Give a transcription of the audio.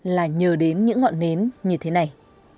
là nhờ đến những ngọn nến như thế này